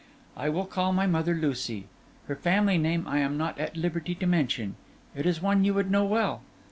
I will call my mother Lucy. Her family name I am not at liberty to mention; it is one you would know well.